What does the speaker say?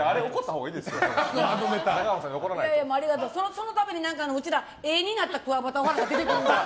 そのたびにうちら絵になったクワバタオハラが出てくるんですよ。